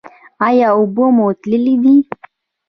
ایا اوبه مو تللې دي؟